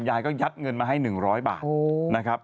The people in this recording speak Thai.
ยายก็ยัดเงินมาให้๑๐๐บาทนะครับ